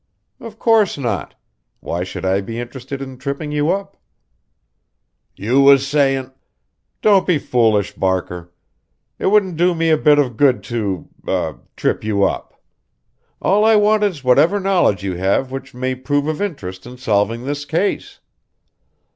"Of course not. Why should I be interested in tripping you up?" "You was sayin' " "Don't be foolish, Barker! It wouldn't do me a bit of good to er trip you up. All I want is whatever knowledge you have which may prove of interest in solving this case."